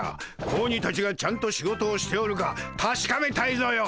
子鬼たちがちゃんと仕事をしておるかたしかめたいぞよ。